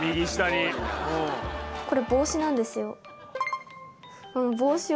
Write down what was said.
これ帽子なんですよ。